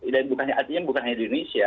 dan artinya bukan hanya di indonesia